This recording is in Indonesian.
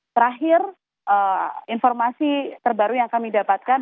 terakhir informasi terbaru yang kami dapatkan